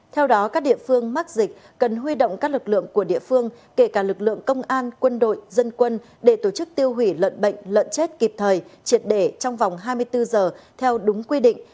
theo đó các địa phương mắc dịch cần huy động các lực lượng của địa phương kể cả lực lượng công an quân đội dân quân để tổ chức tiêu hủy lợn bệnh lợn chết kịp thời triệt để trong vòng hai mươi bốn giờ theo đúng quy định